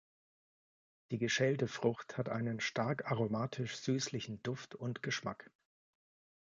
Die geschälte Frucht hat einen stark aromatisch-süßlichen Duft und Geschmack.